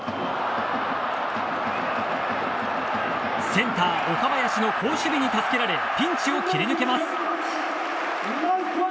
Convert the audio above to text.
センター、岡林の好守備に助けられピンチを切り抜けます。